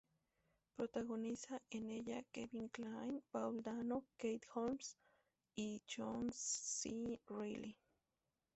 Protagoniza en ella Kevin Kline, Paul Dano, Katie Holmes y John C. Reilly.